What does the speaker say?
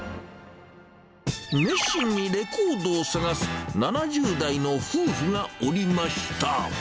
熱心にレコードを探す７０代の夫婦がおりました。